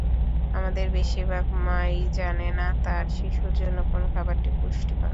আমাদের বেশির ভাগ মা-ই জানেন না, তাঁর শিশুর জন্য কোন খাবারটি পুষ্টিকর।